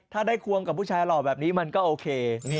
ถ้าได้ควงกับผู้ชายหล่อแบบนี้มันก็โอเค